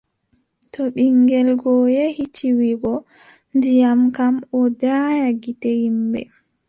To ɓiŋngel go yehi tiiwugo ndiyam kam, o daaya gite yimɓe.